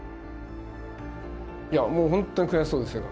いやもう本当に悔しそうでしたよ。